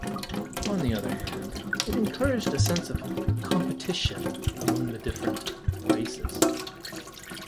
On the other hand, it encouraged a sense of competition among the different 'races'.